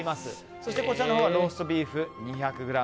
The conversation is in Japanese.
そしてこちらのほうはローストビーフ２００ｇ。